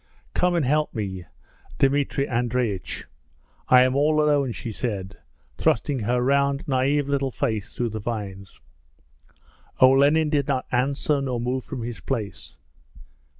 'Come and help me, Dmitri Andreich. I am all alone,' she cried, thrusting her round, naive little face through the vines. Olenin did not answer nor move from his place.